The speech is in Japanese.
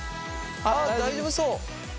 ああ大丈夫そう！